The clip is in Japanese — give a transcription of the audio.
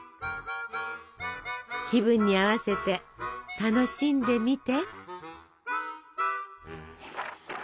気分に合わせて楽しんでみて。